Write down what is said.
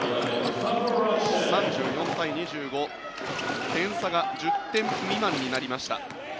３４対２５点差が１０点未満になりました。